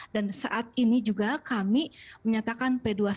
dan saat ini juga kami menyatakan p dua puluh satu